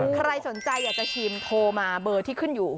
ใครสนใจอยากจะชิมโทรมาเบอร์ที่ขึ้นอยู่